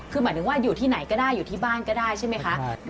คือหมายถึงว่าอยู่ที่ไหนก็ได้อยู่ที่บ้านก็ได้ใช่ไหมคะ